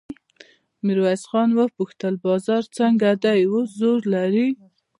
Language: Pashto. میرويس وپوښتل بازار څنګه دی اوس زور لري؟